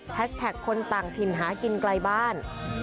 แท็กคนต่างถิ่นหากินไกลบ้าน